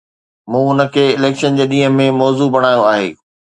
مون ان کي اليڪشن جي ڏينهن ۾ موضوع بڻايو آهي.